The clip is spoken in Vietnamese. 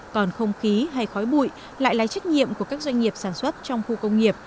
còn không khí hay khói bụi lại là trách nhiệm của các doanh nghiệp sản xuất trong khu công nghiệp